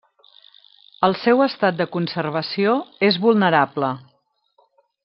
El seu estat de conservació és vulnerable.